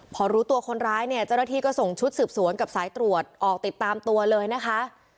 พอรู้ตัวคนร้ายเนี่ยเจ้าหน้าที่ก็ส่งชุดสืบสวนกับสายตรวจออกติดตามตัวเลยนะคะ